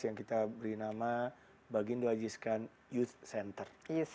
yang kita beri nama bagindo ajiskan youth center